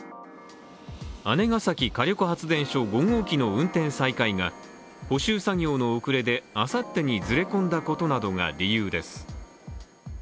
姉崎火力発電所５号機の運転再開が補修作業の遅れであさってに、ずれ込んだことなどが理由です。